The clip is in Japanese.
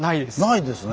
ないですね。